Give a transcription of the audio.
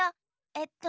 えっと。